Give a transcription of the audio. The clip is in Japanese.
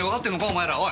お前らおい。